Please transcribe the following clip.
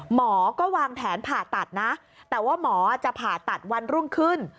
หมอก็วางแผนผ่าตัดนะแต่ว่าหมอจะผ่าตัดวันรุ่งขึ้น